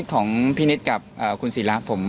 สวัสดีครับคุณผู้ชม